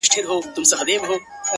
• سوله كوم خو زما دوه شرطه به حتمآ منې؛